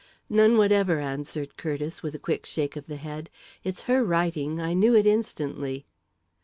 "None whatever," answered Curtiss, with a quick shake of the head. "It's her writing I knew it instantly."